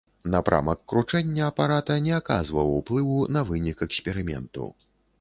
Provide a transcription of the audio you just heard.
Напрамак кручэння апарата не аказваў уплыву на вынік эксперыменту.